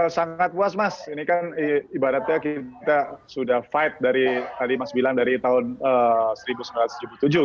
sangat puas mas ini kan ibaratnya kita sudah fight dari tadi mas bilang dari tahun seribu sembilan ratus tujuh puluh tujuh